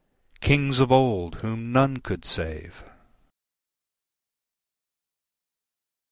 ... Kings of old, whom none could save!